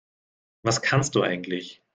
Was kannst du eigentlich?